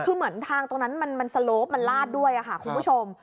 คือเหมือนทางตรงนั้นมันสโลปมันลาดด้วยค่ะคุณผู้ชม